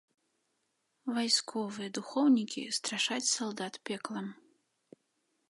Вайсковыя духоўнікі страшаць салдат пеклам.